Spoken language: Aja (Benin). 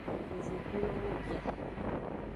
Yovogbulowo bia.